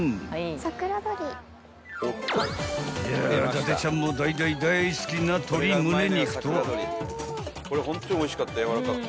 ［伊達ちゃんも大大大好きな鶏むね肉と］